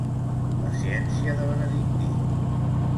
Paciència de benedictí.